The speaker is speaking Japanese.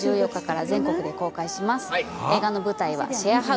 映画の舞台はシェアハウス。